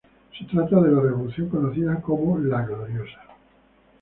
Se trata de la revolución conocida como "la Gloriosa".